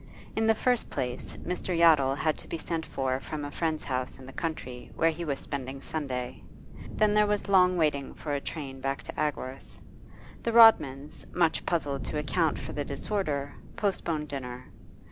In the first place Mr. Yottle had to be sent for from a friend's house in the country, where he was spending Sunday; then there was long waiting for a train back to Agworth. The Rodmans, much puzzled to account for the disorder, postponed dinner.